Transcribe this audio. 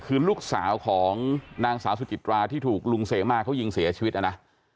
คือลูกสาวของนางสาวสุจิตราที่ถูกลุงเสมาเขายิงเสียชีวิตนะนะ